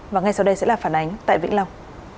và ngay sau đây sẽ là phản ánh tại vĩnh long